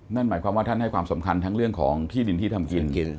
นั่นหมายความว่าท่านให้ความสำคัญทั้งเรื่องของที่ดินที่ทำกิน